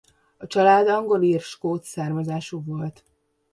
A család angol-ír-skót származású volt.